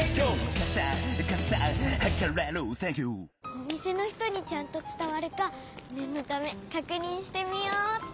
おみせの人にちゃんとつたわるかねんのためかくにんしてみようっと。